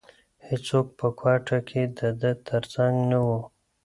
هیڅوک په کوټه کې د ده تر څنګ نه وو.